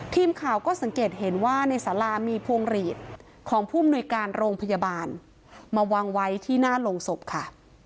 ทีมข่าวก็สังเกตเห็นว่าในสารามีพวงหลีดของผู้มนุยการโรงพยาบาลมาวางไว้ที่หน้าโรงศพค่ะ